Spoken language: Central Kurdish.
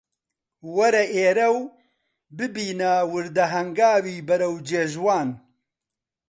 وەرە ئێرە و ببینە وردە هەنگاوی بەرەو جێژوان